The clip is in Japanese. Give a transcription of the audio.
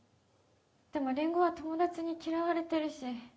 でもりんごは友達に嫌われてるし